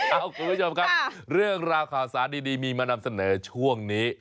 คุณผู้ชมครับเรื่องราวข่าวสารดีมีมานำเสนอช่วงนี้